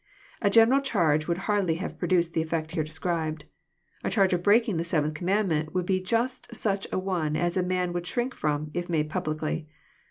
A general charge would hardly have produced the irlTect here described. A charge of breaking the seventh command ment would be just such an one as a man would shrink from, if made publicly.